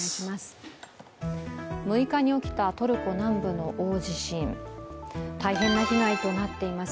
６日に起きたトルコ南部の大地震大変な被害となっています。